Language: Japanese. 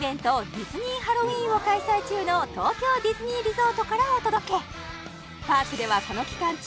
ディズニー・ハロウィーンを開催中の東京ディズニーリゾートからお届け！